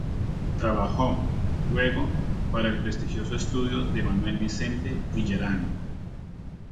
Trabajó, luego, para el prestigioso estudio de Manuel Vicente Villarán.